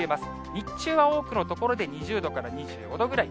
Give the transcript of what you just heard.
日中は多くの所で２０度から２５度ぐらい。